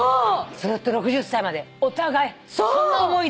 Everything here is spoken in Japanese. ずっと６０歳までお互いそんな思いで。